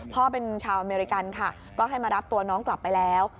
เป็นชาวอเมริกันค่ะก็ให้มารับตัวน้องกลับไปแล้ว